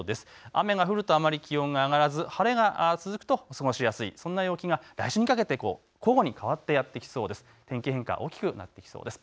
雨が降るとあまり気温が上がらず晴れが続くと過ごしやすい、そんな陽気が交互になってやって来そうです。